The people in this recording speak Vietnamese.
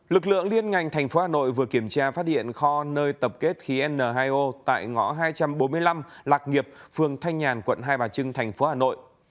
lực lượng liên ngành tp hà nội vừa kiểm tra phát hiện kho nơi tập kết khí n hai o tại ngõ hai trăm bốn mươi năm lạc nghiệp phường thanh nhàn quận hai bà trưng thành phố hà nội